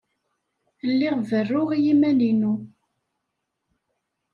Lliɣ berruɣ i yiman-inu.